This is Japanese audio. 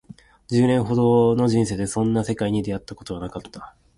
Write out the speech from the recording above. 十年ほどの人生でそんな世界に出会ったことはなかった